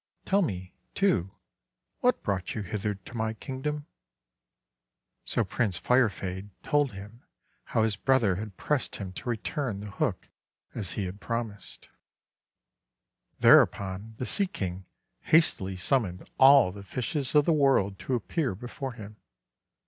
"Tell me, too, what brought you hither to my Kingdom." So Prince Firefade told him how his brother had pressed him to return the hook as he had promised. 230 THE WONDER GARDEN Thereupon the Sea King hastily summoned all the fishes of the world to appear before him.